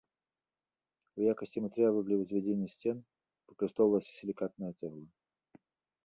У якасці матэрыялу для ўзвядзення сцен выкарыстоўвалася сілікатная цэгла.